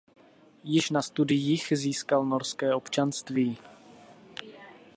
Již na studiích získal norské občanství.